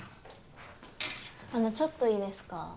あのちょっといいですか？